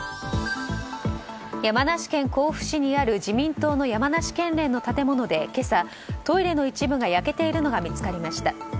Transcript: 山梨県甲府市にある自民党の山梨県連の建物で今朝トイレの一部が焼けているのが見つかりました。